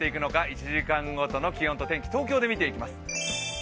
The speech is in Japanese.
１時間ごとの気温と天気、東京で見ていきます。